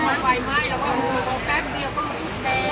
ไฟไหม้แล้วก็แป๊บเดียว